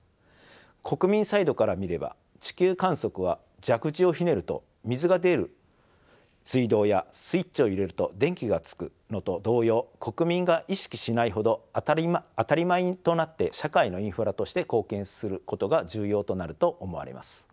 国民サイドから見れば地球観測は蛇口をひねると水が出る水道やスイッチを入れると電気がつくのと同様国民が意識しないほど当たり前となって社会のインフラとして貢献することが重要となると思われます。